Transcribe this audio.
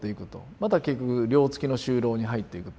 また結局寮つきの就労に入っていくと。